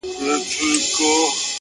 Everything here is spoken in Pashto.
هره ناکامي د بیا هڅې پیغام دی,